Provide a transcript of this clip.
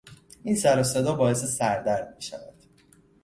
این سروصدا باعث سردرد میشود.